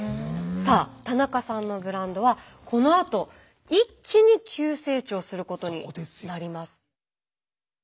さあ田中さんのブランドはこのあと一気に急成長することになります。